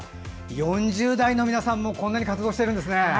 ４０代の皆さんもこんなに活動しているんですね。